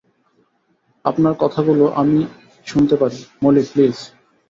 আপনার কথাগুলো আমি শুনতে পারি, মলি প্লিজ?